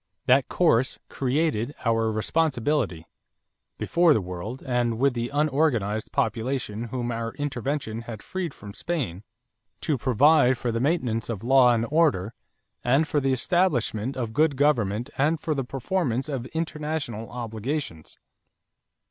That course created our responsibility, before the world and with the unorganized population whom our intervention had freed from Spain, to provide for the maintenance of law and order, and for the establishment of good government and for the performance of international obligations.